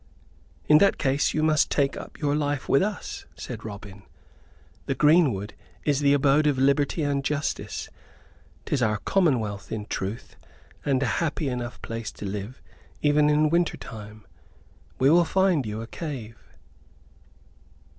"In that case you must take up your life with us," said Robin. "The greenwood is the abode of liberty and justice; 'tis our commonwealth, in truth, and a happy enough place to live in even in winter time. We will find you a cave."